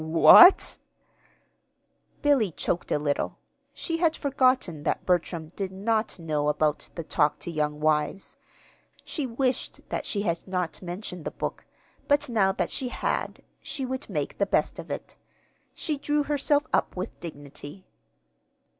"The w what?" Billy choked a little. She had forgotten that Bertram did not know about the "Talk to Young Wives." She wished that she had not mentioned the book, but now that she had, she would make the best of it. She drew herself up with dignity.